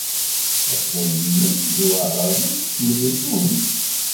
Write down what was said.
Iqbayliyen d Waɛṛaben ttemyeddun.